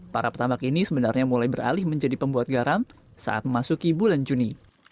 para petambak ini sebenarnya mulai beralih menjadi pembuat garam saat memasuki bulan juni